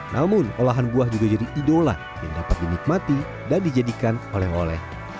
namun olahan buah juga jadi idola yang dapat dinikmati dan dijadikan oleh oleh